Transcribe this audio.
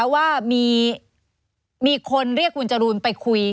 ว่ามีคนเรียกคุณจรูนไปคุย